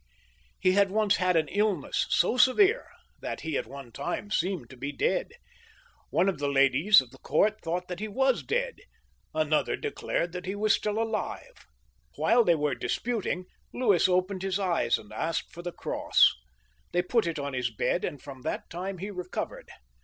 He had once had an illness so severe that he at one time seemed to be dead. One of the ladies of his court thought that he was dead, another declared that he was stiU alive. 116 LOUIS IX. {SAINT LOUIS), [CH. While they were disputing Louis opened his eyes and asked for the cross ; they put it on his bed, and from that time he recovered.